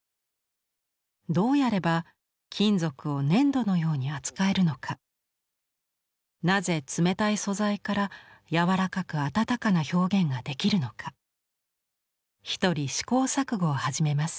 どうやれば金属を粘土のように扱えるのかなぜ冷たい素材から柔らかく温かな表現ができるのか独り試行錯誤を始めます。